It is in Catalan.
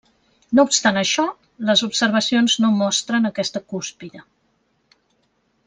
No obstant això, les observacions no mostren aquesta cúspide.